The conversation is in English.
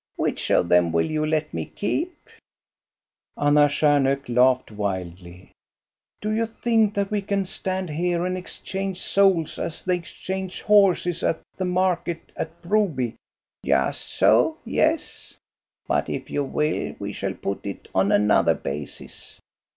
Which of them will you let me keep ?" Anna Stjarnhok laughed wildly. "Do you think that we can stand here and ex change souls as they exchange horses at the market at Broby.?" "Just so, yes. But if you will, we shall put it on another basis.